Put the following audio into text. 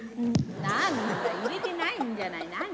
何だ入れてないんじゃない何？